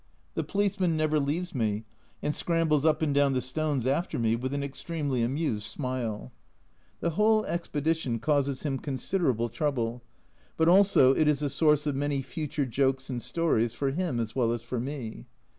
The policeman never leaves me, and scrambles up and down the stones after me with an extremely amused smile. The whole expedition causes him considerable trouble, but also it is a source of many future jokes and stories, for him as well as for me.